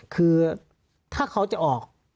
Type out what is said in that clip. คือถ้าเขาจะออก